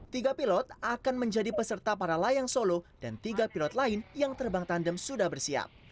tiga pilot akan menjadi peserta para layang solo dan tiga pilot lain yang terbang tandem sudah bersiap